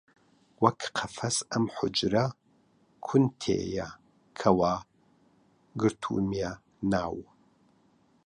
وەک قەفەس ئەم حوجرە کون تێیە کە وا گرتوومیە ناو